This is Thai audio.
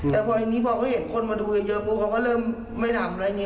แต่พอเห็นคนมาดูเยอะก็เริ่มไม่ทำอะไร